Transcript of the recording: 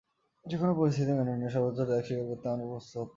যেকোনো পরিস্থিতি মেনে নিয়ে সর্বোচ্চ ত্যাগ স্বীকার করতে আমরা প্রস্তুত আছি।